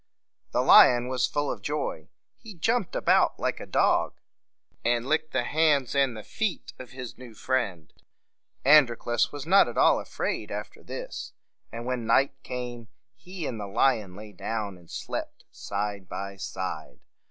The lion was full of joy. He jumped about like a dog, and licked the hands and feet of his new friend. Androclus was not at all afraid after this; and when night came, he and the lion lay down and slept side by side.